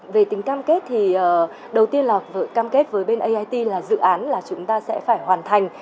về tính cam kết thì đầu tiên là cam kết với bên ait là dự án là chúng ta sẽ phải hoàn thành